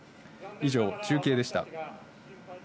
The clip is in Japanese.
以上、中継でした。